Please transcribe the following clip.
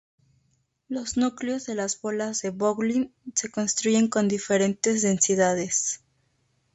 Los núcleos de las bolas de bowling se construyen con diferentes densidades.